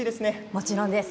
もちろんです。